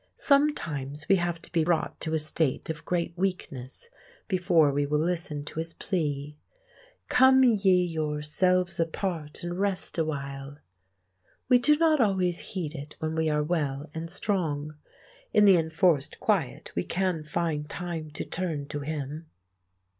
Sometimes we have to be brought to a state of great weakness before we will listen to His plea: "Come ye yourselves apart and rest awhile." We do not always heed it when we are well and strong. In the enforced quiet we can find time to turn to Him.